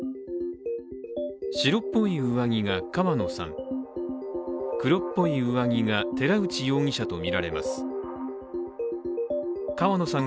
白っぽい上着が川野さん